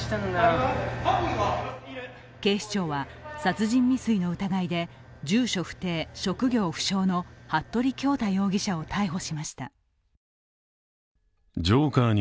警視庁は殺人未遂の疑いで住所不定・職業不詳の服部恭太容疑者を逮捕しました。